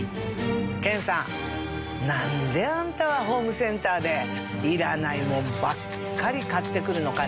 健さんなんであんたはホームセンターでいらないもんばっかり買ってくるのカネ？